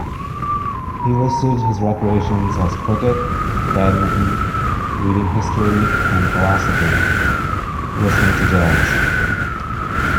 He listed his recreations as "Cricket, badminton, reading history and philosophy, listening to jazz".